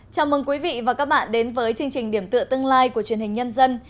chào mừng quý vị và các bạn đến với chương trình điểm tựa tương lai của truyền hình nhân dân